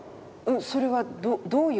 それはどういう？